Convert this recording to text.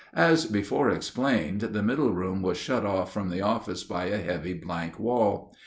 As before explained, the middle room was shut off from the office by a heavy blank wall.